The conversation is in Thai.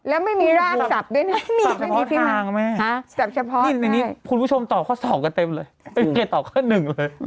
แล้วไม่มีร่างศัพท์ด้วยเนี่ยศัพท์เฉพาะทางอะแม่นี่คุณผู้ชมตอบข้อสอบกันเต็มเลยไม่มีเกตตอบข้อหนึ่งเลย